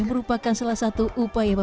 merupakan salah satu upaya